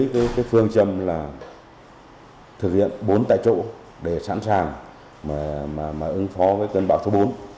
với phương châm là thực hiện bốn tại chỗ để sẵn sàng ứng phó với cơn bão số bốn